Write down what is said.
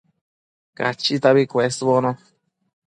Cachitabi cuesbono